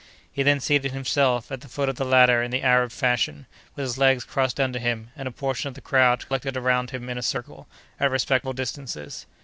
He then seated himself at the foot of the ladder in the Arab fashion, with his legs crossed under him, and a portion of the crowd collected around him in a circle, at respectful distances.